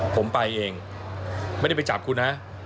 ผมไปเองไม่ได้ไปจับคุณฮะ